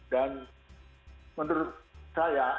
dan menurut saya